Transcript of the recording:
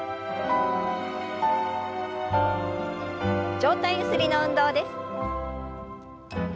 上体ゆすりの運動です。